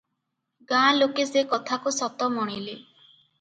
ଗାଁ ଲୋକେ ସେ କଥାକୁ ସତ ମଣିଲେ ।